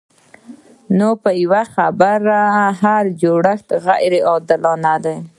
نو په یوه خبره هر جوړښت غیر عادلانه دی.